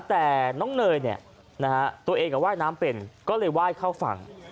แต่น้องเนยเนี่ยนะฮะตัวเองก็ว่ายน้ำเป็นก็เลยไหว้เข้าฝั่ง